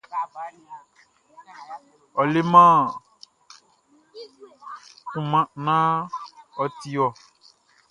Ɔ leman kunman naan ɔ ti wɔ.